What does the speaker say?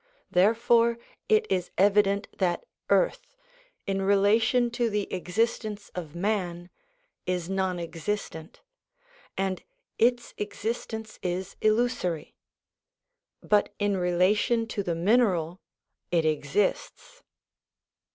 Therefore it is evident that earth, in relation to the existence of man, is non existent, and its exist ence is illusory; but in relation to the mineral it exists.